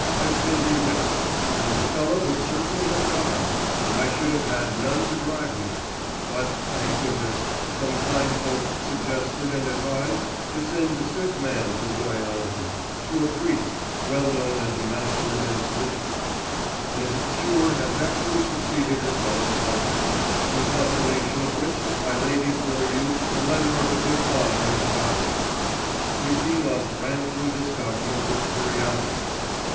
has been bewitched, and the fellow would certainly have died, and I should have had none to drive me, but, thank goodness, some kind folks suggested and advised to send the sick man to Ryazan, to a priest, well known as a master against witchcraft: and his cure has actually succeeded as well as possible, in confirmation of which I lay before you the letter of the good father as a document.' Litvinov ran through this document with curiosity.